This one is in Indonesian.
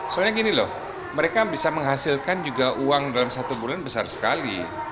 soalnya gini loh mereka bisa menghasilkan juga uang dalam satu bulan besar sekali